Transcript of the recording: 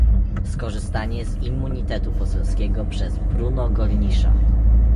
Skorzystanie z immunitetu poselskiego przez Bruno Gollnischa